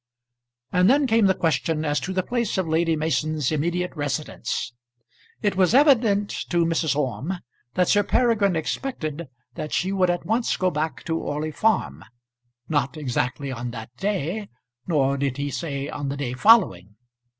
And then came the question as to the place of Lady Mason's immediate residence. It was evident to Mrs. Orme that Sir Peregrine expected that she would at once go back to Orley Farm; not exactly on that day, nor did he say on the day following.